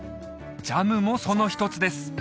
ジャムもその一つです